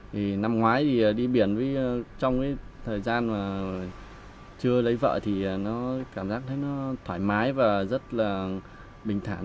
thì năm ngoái thì đi biển với trong cái thời gian mà chưa lấy vợ thì nó cảm giác thấy nó thoải mái và rất là bình thản